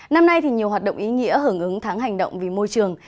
năm nay thì nhiều hoạt động ý nghĩa hưởng ứng tháng hành động vì môi trường